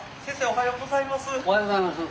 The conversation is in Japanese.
おはようございます。